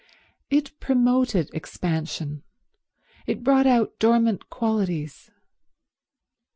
It promoted expansion. It brought out dormant qualities.